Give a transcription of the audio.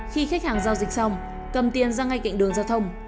khi khách hàng giao dịch xong cầm tiền ra ngay cạnh đường giao thông